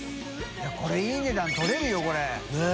いこれいい値段取れるよ。ねぇ。